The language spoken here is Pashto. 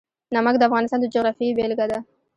نمک د افغانستان د جغرافیې بېلګه ده.